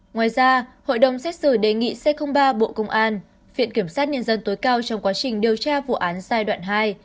ngoài ra hội đồng xét xử đề nghị c ba bộ công an viện kiểm sát nhân dân tối cao trong quá trình điều tra vụ án giai đoạn hai